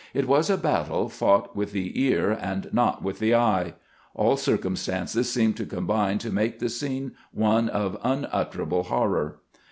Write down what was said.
It was a battle fought with the ear, and not with the eye. All circumstances seemed to combine to make the scene one of unutterable horror.